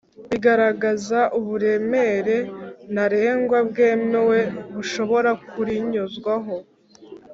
bigaragaza uburemere ntarengwa bwemewe bushobora kurinyuzwaho